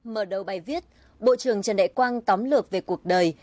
mở đầu bài viết bộ trưởng trần đại quang tóm lược về cuộc đời